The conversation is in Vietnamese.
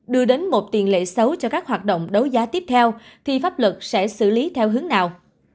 đưa đến một tiền lệ xấu cho các hoạt động đấu giá tiếp theo thì pháp luật sẽ xử lý theo hướng nào